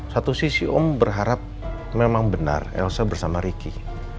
satu sisi om berharap memang benar elsa bersama ricky